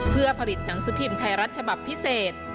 เพื่อผลิตหนังสือพิมพ์ไทยรัฐฉบับพิเศษ